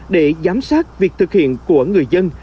để giám sát việc thực hiện của người dân